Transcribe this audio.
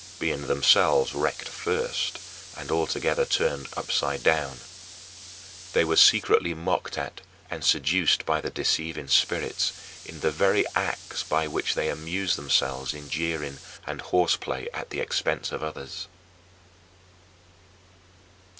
being themselves wrecked first, and altogether turned upside down. They were secretly mocked at and seduced by the deceiving spirits, in the very acts by which they amused themselves in jeering and horseplay at the expense of others.